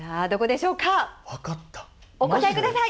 お答えください！